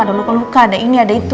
ada luka luka ada ini ada itu